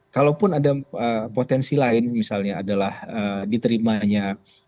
kalaupun ada potensi lain misalnya adalah diterimanya